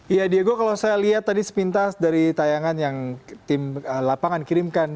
iya diego kalau saya lihat tadi sepintas dari tayangan yang tim lapangan kirimkan